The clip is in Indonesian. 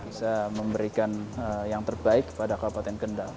bisa memberikan yang terbaik kepada kabupaten kendal